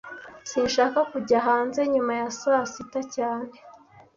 Sinshaka kujya hanze nyuma ya saa sita cyane